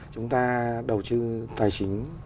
chúng ta đầu trư tài chính